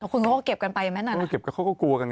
คุณก็เขาเก็บกันไปไหมหน่อยนะต้องเก็บกันเขาก็กลัวกัน